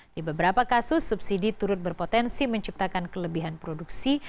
di beberapa kasus subsidi turut berpotensi menciptakan kelebihan produksi